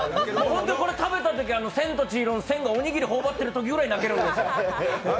これ、食べたときに「千と千尋」の千がおにぎりほおばってるときぐらい泣けるんですよ。